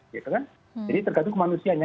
jadi tergantung ke manusianya